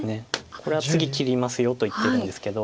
これは次切りますよと言ってるんですけど。